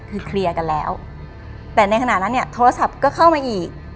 คือเคลียร์กันแล้วแต่ในขณะนั้นเนี่ยโทรศัพท์ก็เข้ามาอีก